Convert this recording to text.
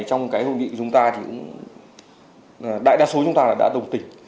trong cái hội nghị của chúng ta thì đại đa số chúng ta đã đồng tình